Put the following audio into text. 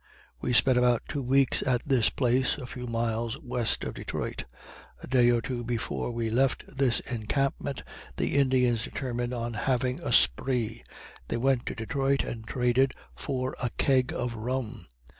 We spent about two weeks at this place, a few miles west of Detroit. A day or two before we left this encampment the Indians determined on having a spree. They went to Detroit and traded for a keg of rum.